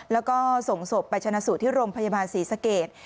แล้วก็ส่งศพไปชาวนาศู่ที่รมพญศรีสะเกต